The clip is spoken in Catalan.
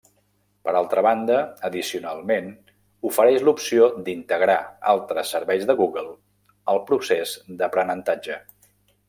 Per altra banda, addicionalment, ofereix l'opció d'integrar altres serveis de Google al procés d'aprenentatge.